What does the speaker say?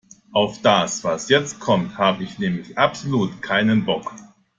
Auf das, was jetzt kommt, habe ich nämlich absolut keinen Bock.